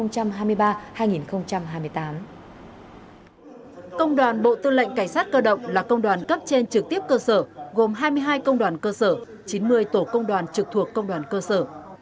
công đoàn bộ tư lệnh cảnh sát cơ động là công đoàn cấp trên trực tiếp cơ sở gồm hai mươi hai công đoàn cơ sở chín mươi tổ công đoàn trực thuộc công đoàn cơ sở